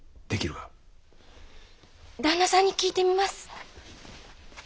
旦那さんに聞いてみます。